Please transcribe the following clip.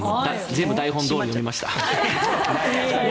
全部台本どおりに読みました。